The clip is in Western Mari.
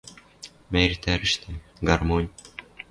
Мӓ эртӓрӹшнӓ, гармонь